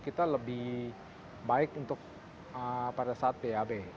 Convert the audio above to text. kita lebih baik untuk pada saat bab